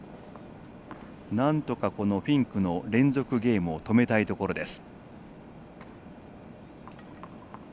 なんとか、このフィンクの連続ゲームを止めたいところです。